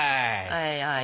はい。